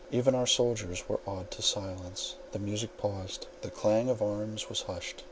Even our soldiers were awed to silence; the music paused; the clang of arms was hushed.